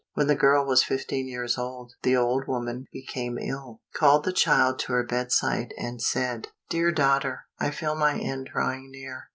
When the girl was fifteen years old, the old woman became ill, called the child to her bedside, and said, "Dear daughter, I feel my end drawing near.